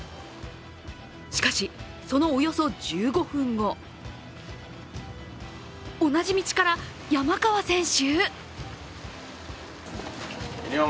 しかし、そのおよそ１５分後同じ道から、山川選手？